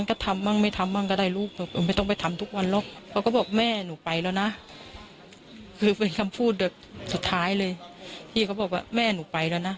คือเป็นคำพูดสุดท้ายเลยที่เขาบอกว่าแม่หนูไปแล้วนะ